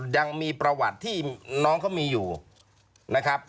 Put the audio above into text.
ยังมีประวัติที่น้องเขามีอยู่นะครับ